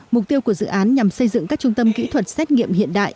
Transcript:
mục tiêu của dự án nhằm xây dựng các trung tâm kỹ thuật xét nghiệm hiện đại